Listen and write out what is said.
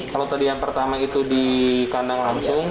kalau tadi yang pertama itu dikandang langsung